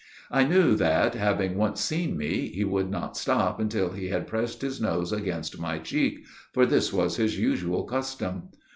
I knew that, having once seen me, he would not stop until he had pressed his nose against my cheek for this was his usual custom.